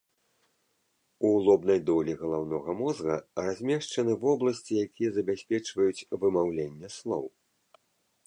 У лобнай долі галаўнога мозга размешчаны вобласці, якія забяспечваюць вымаўленне слоў.